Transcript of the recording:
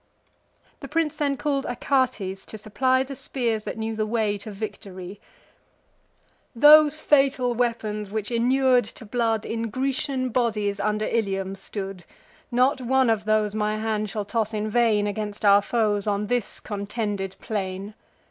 The prince then call'd Achates, to supply The spears that knew the way to victory— "Those fatal weapons, which, inur'd to blood, In Grecian bodies under Ilium stood: Not one of those my hand shall toss in vain Against our foes, on this contended plain."